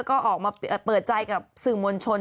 ก็ออกมาเปิดใจกับสื่อมวลชน